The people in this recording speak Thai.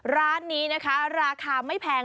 ร้านนี้นะคะราคาไม่แพง